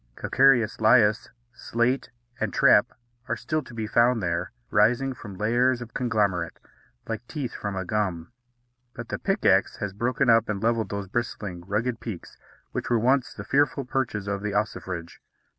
Calcareous lias, slate, and trap are still to be found there, rising from layers of conglomerate, like teeth from a gum; but the pickaxe has broken up and levelled those bristling, rugged peaks which were once the fearful perches of the ossifrage.